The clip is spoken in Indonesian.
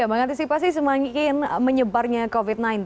mengantisipasi semakin menyebarnya covid sembilan belas